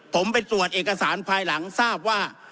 ผมไปตรวจเอกสารภายหลังทราบว่า